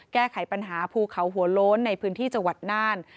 แก้ไขปัญหาภูเขาหัวโล้นในพื้นที่จังหวัดน่าน